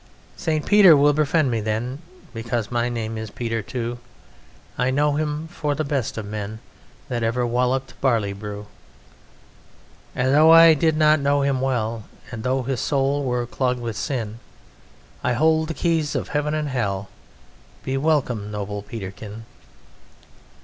"St. Peter will befriend me then, Because my name is Peter too; 'I know him for the best of men That ever wallopped barley brew. "'And though I did not know him well, And though his soul were clogged with sin, I hold the keys of Heaven and Hell. Be welcome, noble Peterkin.'